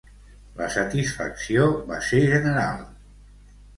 La satisfacció va ser general.